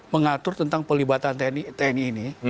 mengatur tentang pelibatan tni ini